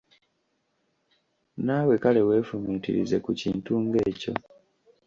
Naawe kale weefumiitirize ku kintu ng'ekyo!